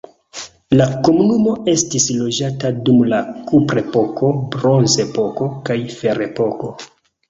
La komunumo estis loĝata dum la kuprepoko, bronzepoko, kaj ferepoko.